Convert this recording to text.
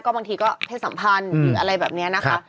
บางทีก็เพศสัมพันธ์หรืออะไรแบบนี้นะคะ